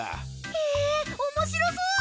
へえおもしろそう！